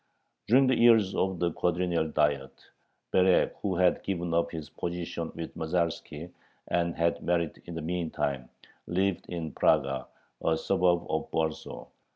During the years of the Quadrennial Diet Berek, who had given up his position with Masalski, and had married in the meantime, lived in Praga, a suburb of Warsaw.